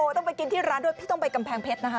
ต้องไปกินที่ร้านด้วยพี่ต้องไปกำแพงเพชรนะคะ